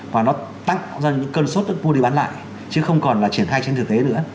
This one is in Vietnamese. và nó tắc ra những cơn sốt đất mua đi bán lại chứ không còn là triển khai trên thực tế nữa